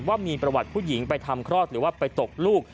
ว่ามีประวัติผู้หญิงไปทำคลอดหรือว่าไปตกลูก